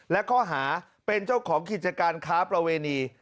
และข้อหาเป็นเจ้าของกิจการค้าประเวณี